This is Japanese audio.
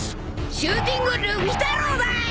シューティングルフィ太郎だ！